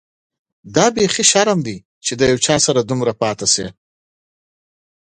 دا بيخي شرم دی چي له یو چا سره دومره پاتې شې.